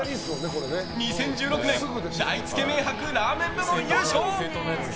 ２０１６年大つけ麺博ラーメン部門優勝！